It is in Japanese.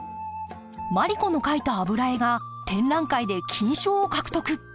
マリ子の描いた油絵が展覧会で金賞を獲得。